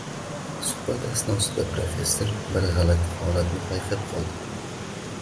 Suhbat asnosida professor bir g`alati holatni payqab qoldi